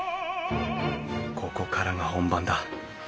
ここからが本番だ。